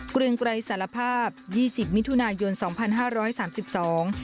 เกรงไกรสารภาพยี่สิบมิถุนายนสองพันห้าร้อยสามสิบสอง